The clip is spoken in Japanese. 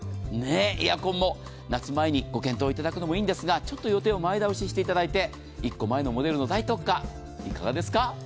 エアコンも夏前にご検討いただくのもいいんですがちょっと予定を前倒ししていただいて１個前のモデルの大特価いかがですか。